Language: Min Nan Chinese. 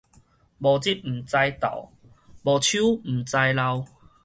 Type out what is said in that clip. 無日毋知晝，無鬚毋知老